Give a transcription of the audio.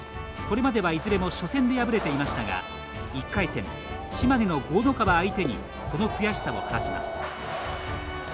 これまでは、いずれも初戦で敗れていましたが１回戦、島根の江の川相手にその悔しさを晴らします。